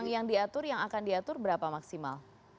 yang diatur yang akan diatur berapa maksimal